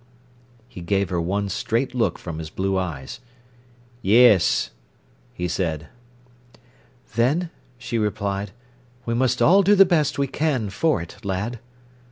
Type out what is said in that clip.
He gave her one straight look from his blue eyes. "Yes," he said. "Then," she replied, "we must all do the best we can for it, lad."